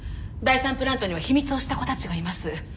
第３プラントには秘密を知った子たちがいます。